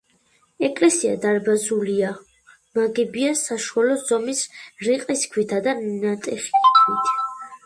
ეკლესია დარბაზულია, ნაგებია საშუალო ზომის რიყის ქვითა და ნატეხი ქვით.